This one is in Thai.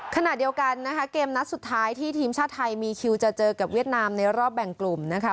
ขณะเดียวกันนะคะเกมนัดสุดท้ายที่ทีมชาติไทยมีคิวจะเจอกับเวียดนามในรอบแบ่งกลุ่มนะคะ